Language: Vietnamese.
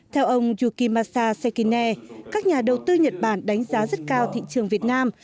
theo ông yuki masa sekine các nhà đầu tư nhật bản đánh giá rất cao thị trường việt nam